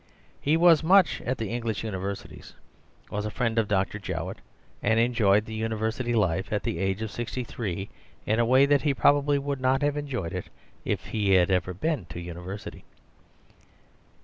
He was much at the English universities, was a friend of Dr. Jowett, and enjoyed the university life at the age of sixty three in a way that he probably would not have enjoyed it if he had ever been to a university.